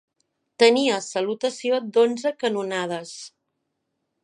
Tenia salutació d'onze canonades.